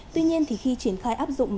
tuy nhiên thì khi triển khai áp dụng